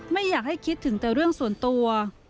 ไม่อยากให้คิดถึงแต่เรื่องส่วนตัว